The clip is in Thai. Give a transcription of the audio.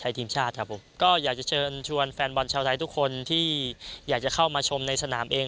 อยากให้ชวนแฟนบอลชาวไทยทุกคนที่อยากจะเข้ามาชมในสนามเอง